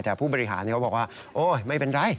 แต่ผู้บริหารเขาบอกว่าโอ๊ยไม่เป็นไร